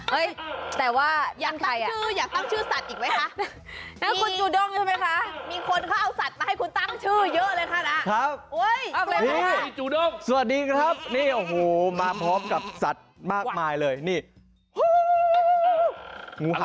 เห้ยแต่ว่ายังตั้งชื่ออย่างตั้งชื่อสัตว์อีกไหมฮะ